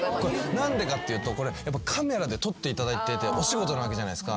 何でかっていうとカメラで撮っていただいててお仕事なわけじゃないですか。